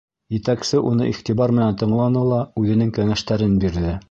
Етәксе уны иғтибар менән тыңланы ла үҙенең кәңәштәрен бирҙе: